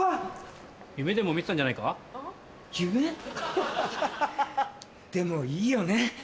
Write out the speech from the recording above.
夢？でもいいよね。